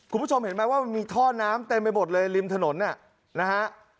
คุณผู้ชมเห็นไหมว่ามันมีท่อน้ำเต็มไปหมดเลยริมถนนนะฮะ